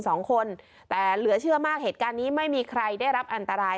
สองคนแต่เหลือเชื่อมากเหตุการณ์นี้ไม่มีใครได้รับอันตราย